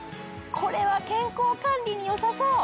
これは健康管理によさそう！